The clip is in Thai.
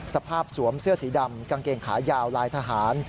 สวมเสื้อสีดำกางเกงขายาวลายทหาร